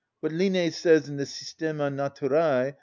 What Linné says in the "Systema naturæ," Tom.